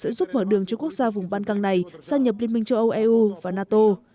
sẽ giúp mở đường cho quốc gia vùng ban căng này gia nhập liên minh châu âu eu và nato